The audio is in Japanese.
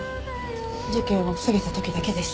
事件を防げたときだけです。